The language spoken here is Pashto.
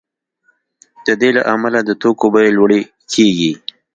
د دې له امله د توکو بیې لوړې کیږي